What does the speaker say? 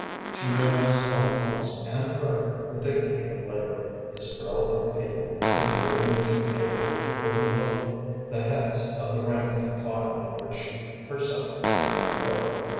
She realized all at once and forever the dignity of labor, this girl of the people, with a brain which enabled her to overlook the heads of the rank and file of which she herself formed a part.